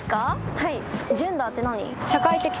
はい。